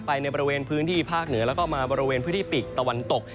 ในบริเวณพื้นที่ภาคเหนือแล้วก็มาบริเวณพื้นที่ปีกตะวันตก